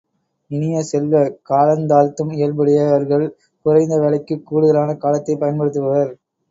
இனிய செல்வ, காலந்தாழ்த்தும் இயல்புடைய வர்கள் குறைந்த வேலைக்குக் கூடுதலான காலத்தைப் பயன்படுத்துவர்.